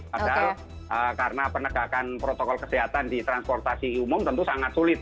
padahal karena penegakan protokol kesehatan di transportasi umum tentu sangat sulit